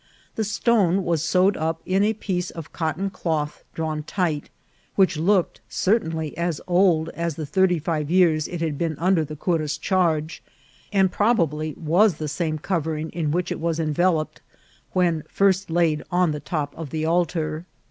The stone was sewed up in a piece of cotton cloth drawn tight, which looked certainly as old as the thirty five years it had been under the cura's charge, and probably was the same covering in which it was enveloped when first laid on the top of the altar.